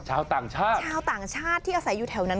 ชาวต่างชาติชาวต่างชาติที่อาศัยอยู่แถวนั้น